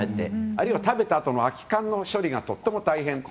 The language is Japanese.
あるいは食べたあとの空き缶の処理が大変だと。